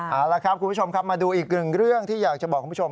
เอาละครับคุณผู้ชมครับมาดูอีกหนึ่งเรื่องที่อยากจะบอกคุณผู้ชม